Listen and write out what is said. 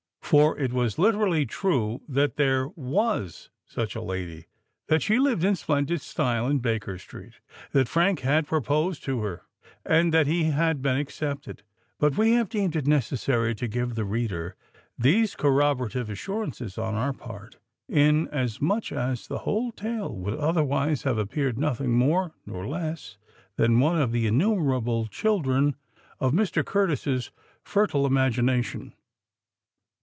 For it was literally true that there was such a lady—that she lived in splendid style in Baker Street—that Frank had proposed to her—and that he had been accepted;—but we have deemed it necessary to give the reader these corroborative assurances on our part, inasmuch as the whole tale would otherwise have appeared nothing more nor less than one of the innumerable children of Mr. Curtis's fertile imagination.